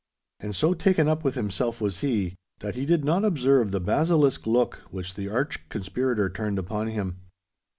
And so taken up with himself was he, that he did not observe the basilisk look which the arch conspirator turned upon him.